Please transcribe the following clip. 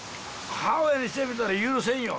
母親にしてみたら許せんよ。